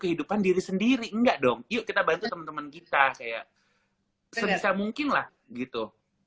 kehidupan diri sendiri enggak dong yuk kita bantu teman teman kita kayak sebisa mungkin lah gitu